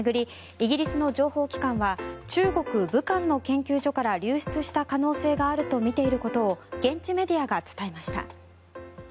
イギリスの情報機関は中国・武漢の研究所から流出した可能性があるとみていることを現地メディアが伝えました。